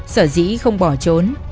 sở dĩ không bỏ trốn